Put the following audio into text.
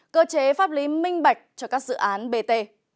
cơ chế pháp lý minh bạch cho các dự án bt